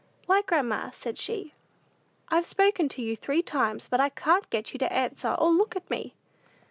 "Why, grandma," said she, "I've spoken to you three times; but I can't get you to answer or look at me."